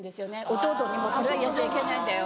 弟にも「これはやっちゃいけないんだよ」。